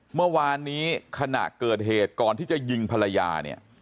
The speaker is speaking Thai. เมื่อวานนี้ขณะเกิดเหตุก่อนที่จะยิงภรรยาเนี่ย